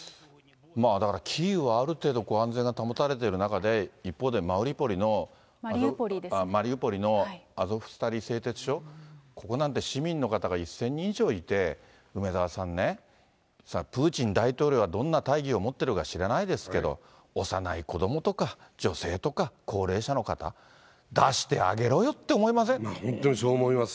だから、キーウはある程度、安全が保たれている中で、一方で、マリウポリのアゾフスタリ製鉄所、ここなんて市民の方が１０００人以上いて、梅沢さんね、プーチン大統領がどんな大義を持ってるか知らないですけど、幼い子どもとか、女性とか、高齢者の方、本当にそう思いますよね。